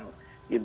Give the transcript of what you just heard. jidat dan kesehatan